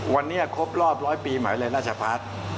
วันนี้ครบรอบร้อยปีใหม่เลยราชพัฒน์